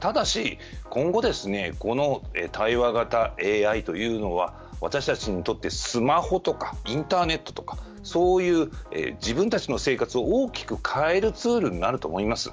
ただし、今後この対話型ＡＩというのは私たちにとってスマホとかインターネットとかそういう自分たちの生活を大きく変えるツールになると思います。